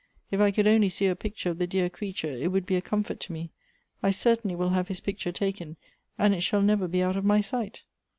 If I could only see a picture of the dear creature, it would be a comfort to me ; I certainly will have his picture taken, and it shall never be out of my sight."